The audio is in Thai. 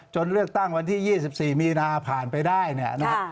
เลือกตั้งวันที่๒๔มีนาผ่านไปได้เนี่ยนะครับ